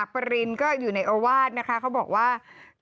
พี่เมียวโพสต์ต้าบอกว่า